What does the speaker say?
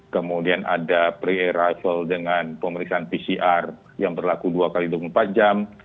kemudian ada pre arrival dengan pemeriksaan pcr yang berlaku dua kali dalam empat jam